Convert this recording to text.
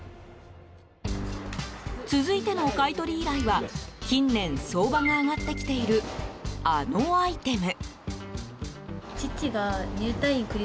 続いての買い取り依頼は近年、相場が上がってきているあのアイテム。